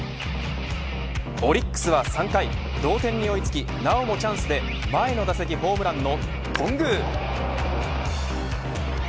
オリックスは３回同点に追いつきなおもチャンスで前の打席ホームランの頓宮。